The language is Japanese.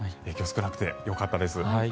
影響少なくてよかったです。